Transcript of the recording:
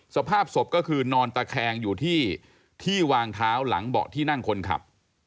สภาพศพก็คือนอนตะแคงอยู่ที่ที่วางเท้าหลังเบาะที่นั่งคนขับ